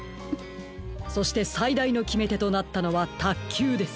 そしてさいだいのきめてとなったのはたっきゅうです。